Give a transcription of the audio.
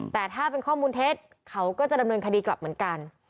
แต่ถ้าเป็นข้อมูลเท็จเขาก็จะดำเนินคดีกลับเหมือนกัน